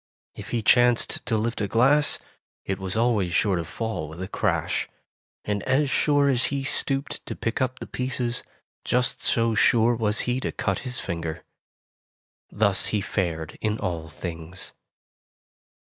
If he chanced to lift a glass, it was always sure to fall with a crash; and as sure as he stooped to pick up the pieces, just so sure was he to cut his finger. Thus he fared in all things.